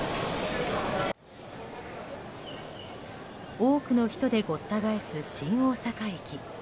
多くの人でごった返す新大阪駅。